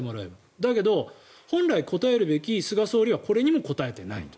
だけど、本来答えるべき菅総理はこれにも答えていないと。